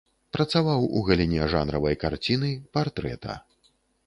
Працаваў у галіне жанравай карціны, партрэта.